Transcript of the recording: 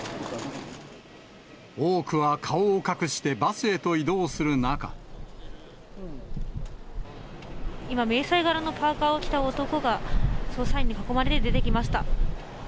多くは顔を隠してバスへと移今、迷彩柄のパーカーを着た男が、捜査員に囲まれて出てきました。